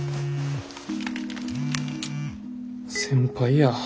先輩や。